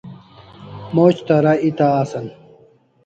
Moch tara eta asan